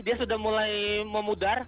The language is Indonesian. dia sudah mulai memudar